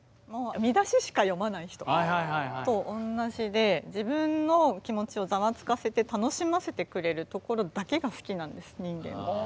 見出ししか読まない人と同じで自分の気持ちをザワつかせて楽しませてくれるところだけが好きなんです人間は。